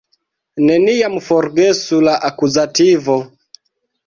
Neniam forgesu la akuzativo!